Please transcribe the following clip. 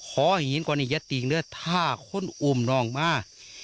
ขอหินกว่านี้ยะติงด้วยท่าคนอุ่มน้องมา